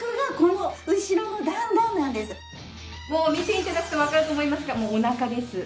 もう見て頂くとわかると思いますがおなかです。